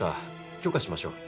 許可しましょう。